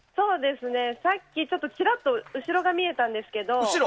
さっき、ちらっと後ろが見えたんですけど。